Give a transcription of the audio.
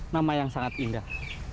nama yang sangat indah